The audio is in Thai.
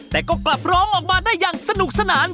แต่ก็กลับร้องออกมาได้อย่างสนุกสนาน